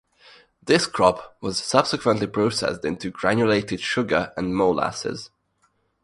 This crop was subsequently processed into granulated sugar and molasses.